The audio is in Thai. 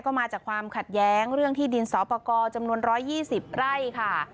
ก็มาจากความขัดแย้งเรื่องที่ดินสอปกรจำนวน๑๒๐ไร่ค่ะ